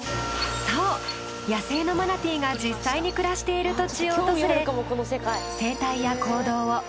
そう野生のマナティーが実際に暮らしている土地を訪れ。